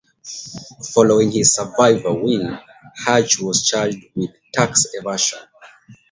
Following his "Survivor" win, Hatch was charged with tax evasion.